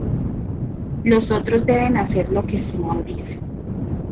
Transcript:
Los otros deben hacer lo que Simón dice.